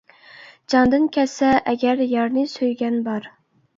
جاندىن كەچسە ئەگەر يارنى سۆيگەن بار.